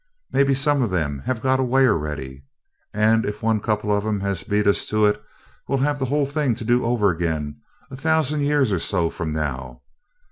Maybe some of them have got away already, and if one couple of 'em has beat us to it, we'll have the whole thing to do over again a thousand years or so from now.